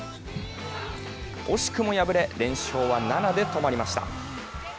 惜しくも敗れ、連勝は７で止まりました。